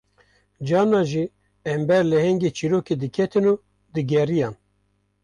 Carnan jî em ber lehengê çîrokê diketin û digiriyan